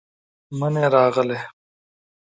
منی راغلې،